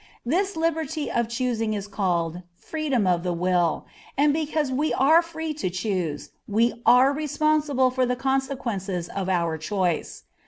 This liberty of choosing is called "freedom of the will," and because we are free to choose, we are responsible for the consequences of our choice.